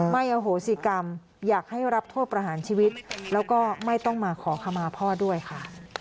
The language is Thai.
อโหสิกรรมอยากให้รับโทษประหารชีวิตแล้วก็ไม่ต้องมาขอขมาพ่อด้วยค่ะ